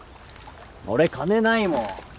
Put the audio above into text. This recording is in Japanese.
俺金ないもん。